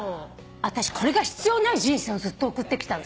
あたしこれが必要ない人生をずっと送ってきたの。